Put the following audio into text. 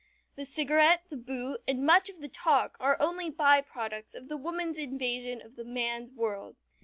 The cigarette, the boot, and much of the talk are only by products of the woman's invasion of the man's world.